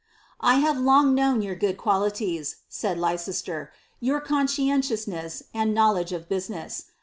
« J have long known your good qnatitieB," said LeiccHipr, " your o« «cientiousneas, and knowledge of business.